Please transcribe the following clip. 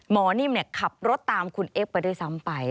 นิ่มขับรถตามคุณเอ็กซไปด้วยซ้ำไป